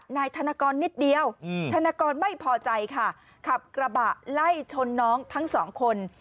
นายธนกรนิดเดียวธนกรไม่พอใจค่ะขับกระบะไล่ชนน้องทั้งสองคน